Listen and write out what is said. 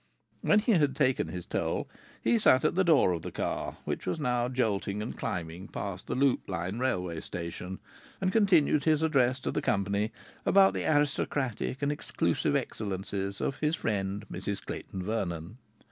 When he had taken his toll he stood at the door of the car, which was now jolting and climbing past the loop line railway station, and continued his address to the company about the aristocratic and exclusive excellences of his friend Mrs Clayton Vernon.